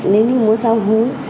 nếu như muốn sám hối